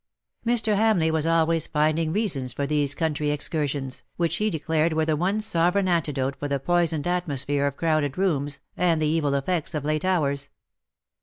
^^ Mr. Hamleigh was always finding reasons for these country excursions, which he declared were the one sovereign antidote for the poisoned atmo sphere of crowded rooms, and the evil effects of late hours.